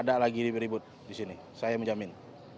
tidak lagi ribut ribut di sini saya menjamin